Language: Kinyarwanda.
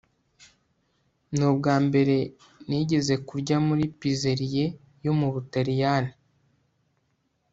nubwambere nigeze kurya muri pizzeria yo mubutaliyani